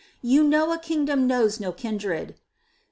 You know ■ kingdom knowi no klndn il.